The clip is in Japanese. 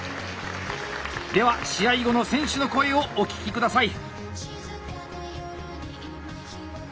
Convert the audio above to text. では試合後の選手の声をお聞きください。